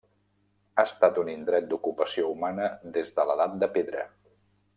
Ha estat un indret d'ocupació humana des de l'Edat de Pedra.